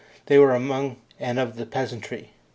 They were among and of the peasantry.